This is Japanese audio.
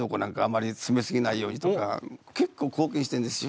結構貢献してんですよ。